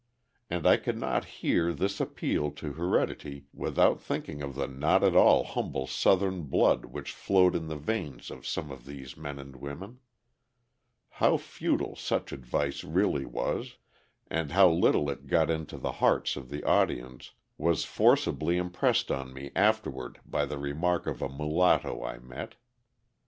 And I could not hear this appeal to heredity without thinking of the not at all humble Southern blood which flowed in the veins of some of these men and women. How futile such advice really was, and how little it got into the hearts of the audience, was forcibly impressed on me afterward by the remark of a mulatto I met.